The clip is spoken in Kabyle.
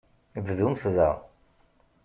Bdumt da.